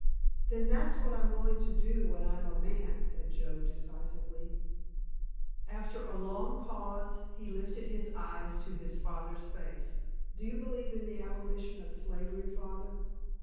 "Then that's what I'm going to do when I'm a man," said Joe decisively. After a long pause he lifted his eyes to his father's face. "Do you believe in the abolition of slavery, Father?"